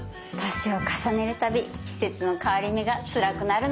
年を重ねるたび季節の変わり目がつらくなるのよね。